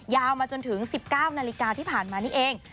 ยาวมาจนถึง๑๙นาฬิกาที่ผ่านมานี่เอง